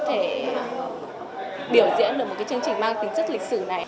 để biểu diễn được một chương trình mang tính sức lịch sử này